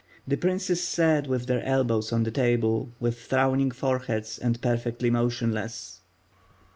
The princes sat with their elbows on the table with frown inir foro heads, and perfectly motionless.